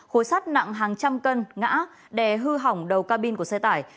khối sắt nặng hàng trăm cân ngã đè hư hỏng đầu ca bin của xe tải